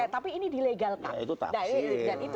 tapi ini dilegalkan